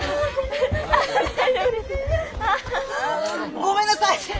ごめんなさい！